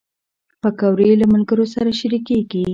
پکورې له ملګرو سره شریکېږي